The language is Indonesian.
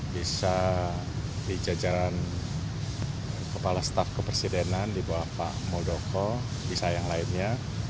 bisa di jajaran kepala staff kepersidenan di bawah pak modoko bisa yang lainnya